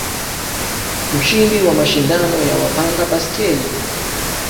mshindi wa mashindano ya wapanda baiskeli